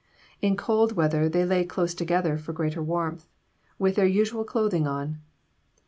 In cold weather they lay close together for greater warmth, with their usual clothing on.